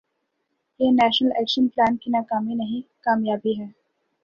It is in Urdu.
یہ نیشنل ایکشن پلان کی ناکامی نہیں، کامیابی ہے۔